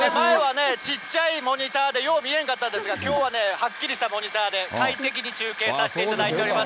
前はちっちゃいモニターでよう見えなかったんですが、きょうは大きいモニターで、快適に中継させていただいております。